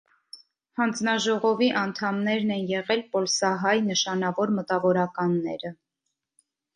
Հանձնաժողովի անդամներն են եղել պոլսահայ նշանավոր մտավորականները։